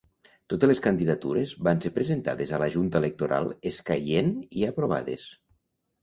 Totes les candidatures van ser presentades a la Junta Electoral escaient i aprovades.